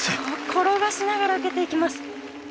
転がしながら受けていきます。